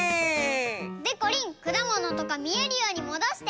でこりんくだものとかみえるようにもどして！